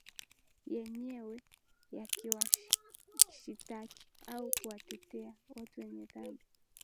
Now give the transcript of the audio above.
yenyewe yakiwashitaki au kuwatetea watu wenye dhambi